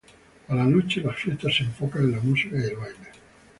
A la noche las fiestas se enfocan en la música y el baile.